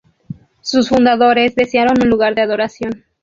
Sus fundadores desearon un lugar de adoración.